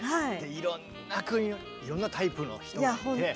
いろんなタイプの人がいて。